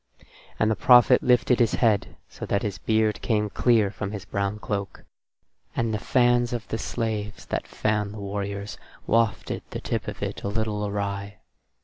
And the prophet lifted his head, so that his beard came clear from his brown cloak, and the fans of the slaves that fanned the warriors wafted the tip of it a little awry.